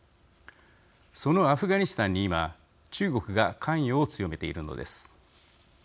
そのアフガニスタンに、今中国が関与を強めているのです。